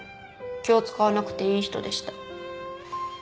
気を使わなくていい人でした。